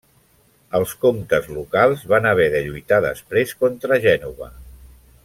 Els comtes locals van haver de lluitar després contra Gènova.